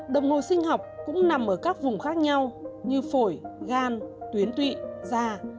đồng hồ sinh học cũng nằm ở các vùng khác nhau như phổi gan tuyến tụy da